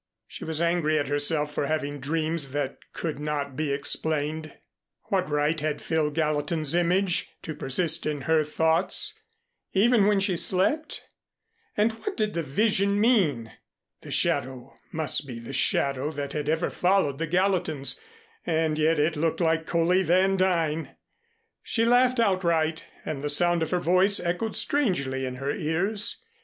She was angry at herself for having dreams that could not be explained. What right had Phil Gallatin's image to persist in her thoughts, even when she slept? And what did the vision mean? The shadow must be the shadow that had ever followed the Gallatins, and yet it looked like Coley Van Duyn! She laughed outright, and the sound of her voice echoed strangely in her ears.